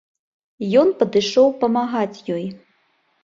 Ён падышоў памагаць ёй.